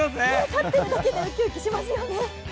立っているだけでウキウキしますよね。